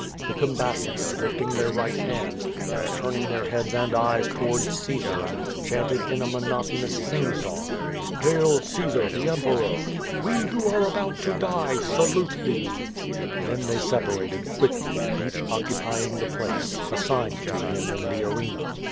The combatants, lifting their right hands, and turning their heads and eyes towards Caesar, chanted in a monotonous sing song: "Hail Caesar, the Emperor.*' We who art about to die, salute thee.'' Then they separated quickly, each occupying the place as CAUGHT IN THK FATAL MESHES QUO VADIS. 409 signed to him in the arena.